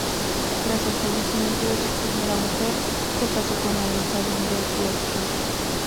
Tras el fallecimiento de su primera mujer, se casó con Anita Vindel y Ochoa.